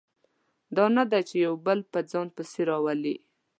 دا نه ده چې یو بل په ځان پسې راولي.